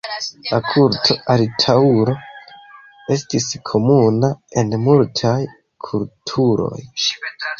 La kulto al taŭro estis komuna en multaj kulturoj.